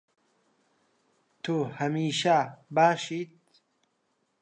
تۆ هەمیشە باشیت.